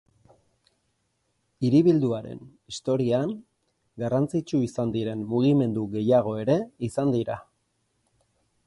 Hiribilduaren historian garrantzitsu izan diren mugimendu gehiago ere izan dira.